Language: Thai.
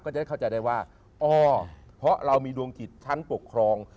ก็จะได้เข้าใจได้ว่าอ๋อเพราะเรามีดวงจิตชั้นปกครอง